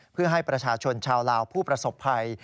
เพื่อให้ประชาชนชาวลาวผู้ประสบภัย